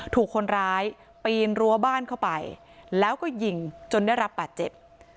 ถูกคนร้ายปีนรั้วบ้านเข้าไปแล้วก็ยิงจนได้รับบาดเจ็บ